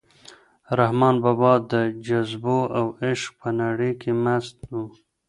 رحمان بابا د جذبو او عشق په نړۍ کې مست و.